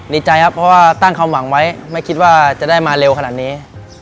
ดีใจครับเพราะว่าตั้งความหวังไว้ไม่คิดว่าจะได้มาเร็วขนาดนี้